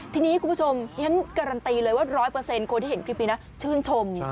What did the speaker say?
ทีนี้คุณผู้ชมฉันการันตีเลยว่า๑๐๐คนที่เห็นคลิปนี้นะชื่นชม